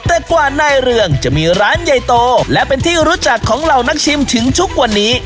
แต่กว่านายเรืองจะมีร้านใหญ่โตและเป็นที่รู้จักของเหล่านักชิมถึงทุกวันนี้